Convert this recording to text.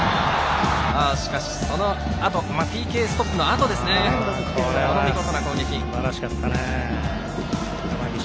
しかしそのあとＰＫストップのあとの見事な攻撃。